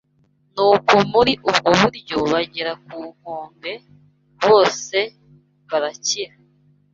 Nuko muri ubwo buryo, bagera ku nkombe, bose barakira